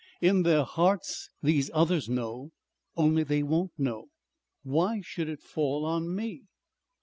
In their hearts these others know.... Only they won't know.... Why should it fall on me?"